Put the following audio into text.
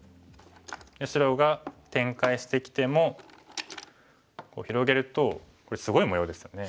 白が展開してきても広げるとこれすごい模様ですよね。